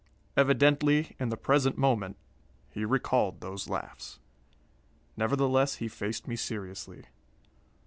Evidently, in the present moment, he recalled those laughs. Nevertheless, he faced me seriously.